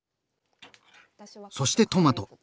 そしてトマト。